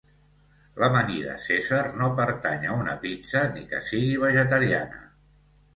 L'amanida cèsar no pertany a una pizza ni que sigui vegetariana.